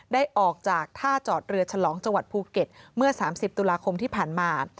ได้ออกจากท่าจอดเรือฉลองจังหวัดภูเก็ตเมื่อ๓๐ตุลาคมที่ผ่านมา